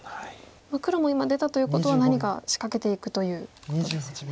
黒も今出たということは何か仕掛けていくということですよね。